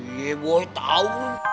iya boy tau